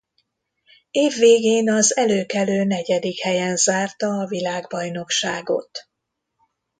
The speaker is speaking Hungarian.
Év végén az előkelő negyedik helyen zárta a világbajnokságot.